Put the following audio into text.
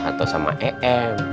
atau sama em